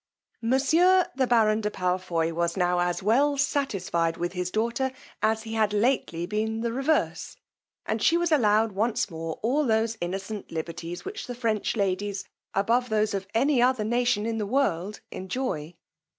Monsieur the baron de Palfoy was now as well satisfied with his daughter as he had lately been the reverse, and she was allowed once more all those innocent liberties which the French ladies, above those of any other nation in the world, enjoy.